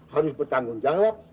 harus bertanggung jawab